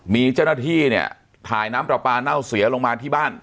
มีเจ้าหน้าที่เนี่ยถ่ายน้ำปลาปลาเน่าเสียลงมาที่บ้าน